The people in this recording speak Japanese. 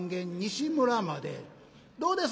「どうです？